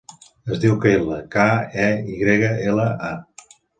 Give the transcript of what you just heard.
Es diu Keyla: ca, e, i grega, ela, a.